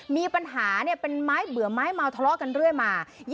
มีปัญหาเป็นไม้เบื่อไม้เมาทะเลาะกันเรื่อยมา